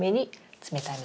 冷たい水？